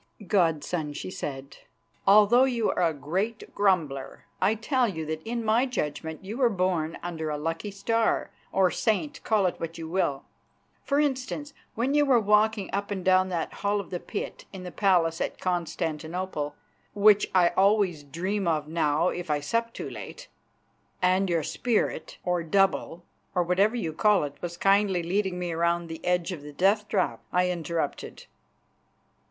"God son," she said, "although you are a great grumbler, I tell you that in my judgment you were born under a lucky star, or saint, call it which you will. For instance, when you were walking up and down that Hall of the Pit in the palace at Constantinople, which I always dream of now if I sup too late " "And your spirit, or double, or whatever you call it, was kindly leading me round the edge of the death trap," I interrupted.